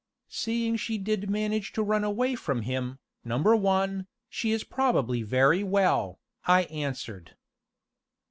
"Seeing she did manage to run away from him Number One she is probably very well," I answered.